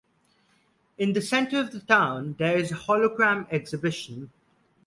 In the centre of the town there is a hologram exhibition.